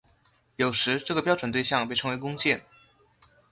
有时这个标准对像被称为工件。